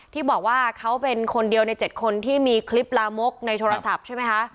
ที่บอกว่าเขาเป็นคนเดียวใน๗คนที่มีคลิปลามกในโทรศัพท์ใช่ไหมคะ